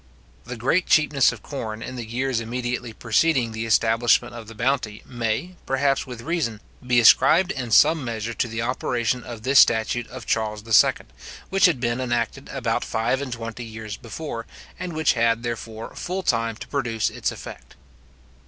The great cheapness of corn in the years immediately preceding the establishment of the bounty may, perhaps with reason, he ascribed in some measure to the operation of this statute of Charles II. which had been enacted about five and twenty years before, and which had, therefore, full time to produce its effect.